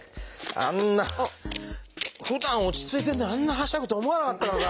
あんなふだん落ち着いててあんなはしゃぐと思わなかったからさ